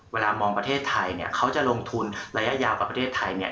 เวลามองประเทศไทยเนี่ยเขาจะลงทุนระยะยาวกับประเทศไทยเนี่ย